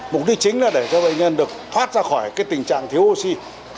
mục đích chính là để cho bệnh nhân được thoát ra khỏi tình trạng thiếu oxy